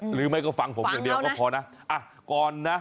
หรือไม่ก็ฟังผมอย่างเดียวก็พอนะก่อนนะ